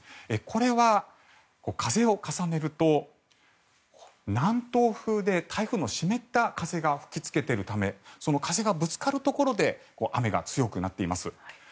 これは風を重ねると、南東風で台風の湿った風が吹きつけているためその風がぶつかるところで雨が強くなっています。